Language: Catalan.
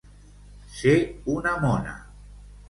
Ser una mona.